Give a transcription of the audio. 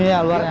ini ya luarnya